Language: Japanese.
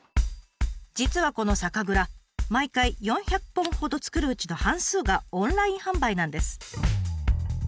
実はこの酒蔵毎回４００本ほど造るうちの半数がオンライン販売なんです。